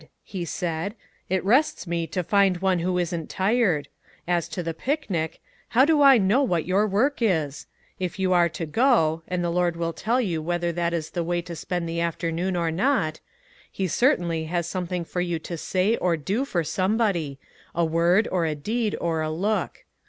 he said. "It rests me to find one who isn't tired. As to the picnic ; how do I know what your work is? If you are to go — and the Lord will tell you whether that is the way to spend the after noon or not — he certainly has something for you to say or do for somebody — a word, or a deed, or a look.